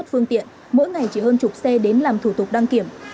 các phương tiện mỗi ngày chỉ hơn chụp xe đến làm thủ tục đăng kiểm